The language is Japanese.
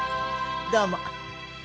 どうも。